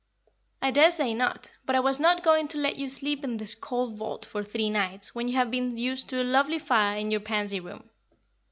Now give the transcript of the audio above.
"I daresay not, but I was not going to let you sleep in this cold vault for three nights when you have been used to a lovely fire in your Pansy Room.